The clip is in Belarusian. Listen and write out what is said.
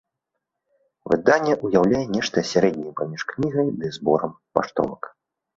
Выданне ўяўляе нешта сярэдняе паміж кнігай ды зборам паштовак.